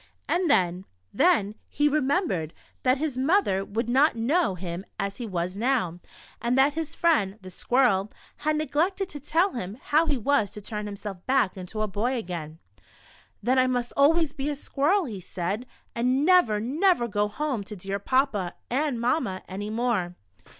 And then — then — he remembered that his mother would not I02 What the Squirrel Did for Richard. know him as he was now, and that his friend, the squirrel, had neglected to tell him how he was to turn himself back into a boy again. •' Then I must always be a squirrel," he said, " and never, never go home to dear Papa and Mamma any more."